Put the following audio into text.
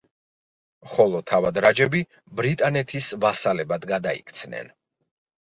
ხოლო თავად რაჯები ბრიტანეთის ვასალებად გადაიქცნენ.